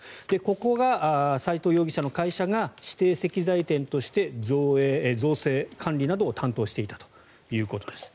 ここが齋藤容疑者の会社が指定石材店として造成・管理などを担当していたということです。